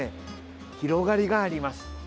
広がりがあります。